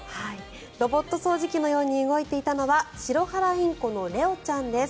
ロボット掃除機のように動いていたのはシロハラインコのレオちゃんです。